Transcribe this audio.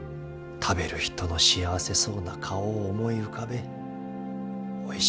食べる人の幸せそうな顔を思い浮かべえ。